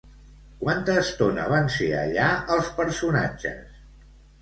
Quanta estona van ser allà els personatges?